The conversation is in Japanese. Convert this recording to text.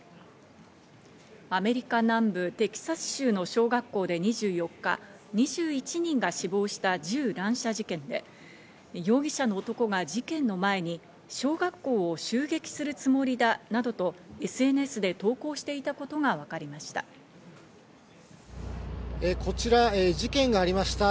アメリカ南部テキサス州の小学校で２４日、２１人が死亡した銃乱射事件で、容疑者の男が事件の前に小学校を襲撃するつもりだなどとＳＮＳで投稿していたことがわかりました。